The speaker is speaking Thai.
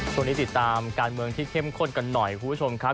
ติดตามการเมืองที่เข้มข้นกันหน่อยคุณผู้ชมครับ